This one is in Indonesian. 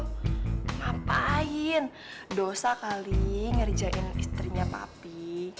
ngapain dosa kali ngerjain istrinya papi